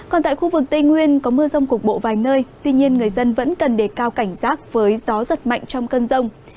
còn tại khu vực tây nguyên có mưa rông cục bộ vài nơi tuy nhiên người dân vẫn cần đề cao cảnh giác với gió giật mạnh trong cơn rông